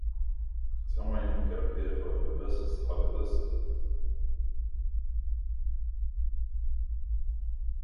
The videos were shot on location in New Jersey, including Asbury Park.